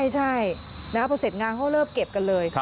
ใช่พอเสร็จงานเขาเริ่มเก็บกันเลย